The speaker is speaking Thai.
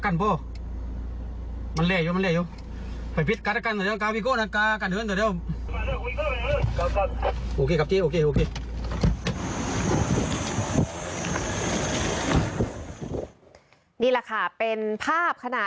นี่แหละค่ะเป็นภาพขณะ